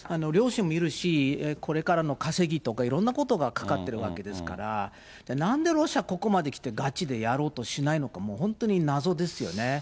両親もいるし、これからの稼ぎとかいろんなことがかかっているわけですから、なんでロシア、ここまで来てがちでやろうとしないのか、本当に謎ですよね。